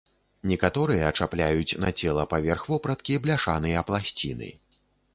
Некаторыя чапляюць на цела паверх вопраткі бляшаныя пласціны.